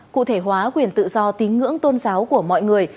cụ thể hóa quyền tự do tín ngưỡng tôn giáo của mọi người